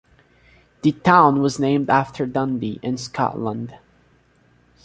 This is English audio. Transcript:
The town was named after Dundee, in Scotland.